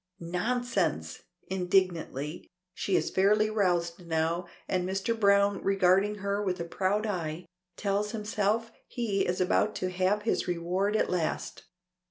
"Nonsense," indignantly. She is fairly roused now, and Mr. Browne regarding her with a proud eye, tells himself he is about to have his reward at last.